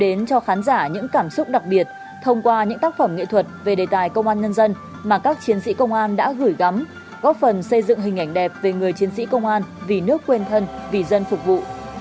đã đến cho khán giả những cảm xúc đặc biệt thông qua những tác phẩm nghệ thuật về đề tài công an nhân dân mà các chiến sĩ công an đã gửi gắm góp phần xây dựng hình ảnh đẹp về người chiến sĩ công an vì nước quên thân vì dân phục vụ